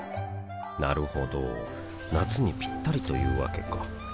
なるほど夏にピッタリというわけか